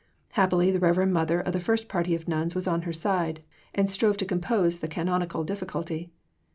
Happily the Reverend Mother of the first party of nuns was on her side, and strove to compose the canonical difficulty.